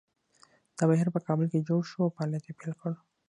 دا بهیر په کابل کې جوړ شو او فعالیت یې پیل کړ